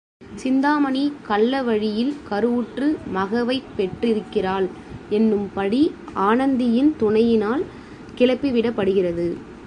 சிந்தாமணி கள்ள வழியில் கருவுற்று மகவைப் பெற்றிருக்கிறாள் என்னும் பழி ஆனந்தியின் துணையினால் கிளப்பிவிடப் படுகிறது.